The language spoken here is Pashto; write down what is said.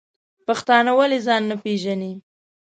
پښتانه ولی ځان نه پیژنی؟